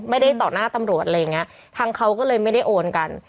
ไม่ได้ต่อหน้าตำรวจทางเค้าเลยไม่ได้โอนกัน